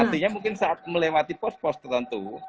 artinya mungkin saat melewati pos pos tertentu